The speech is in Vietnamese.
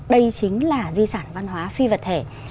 đây chính là di sản văn hóa phi vật thể